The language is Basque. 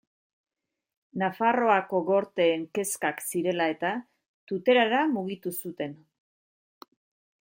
Nafarroako Gorteen kezkak zirela eta, Tuterara mugitu zuten.